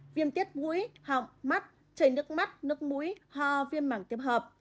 viêm tiết mũi họng mắt chảy nước mắt nước mũi ho viêm mảng tiếp hợp